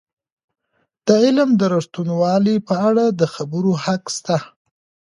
د علم د ریښتینوالی په اړه د خبرو حق سته.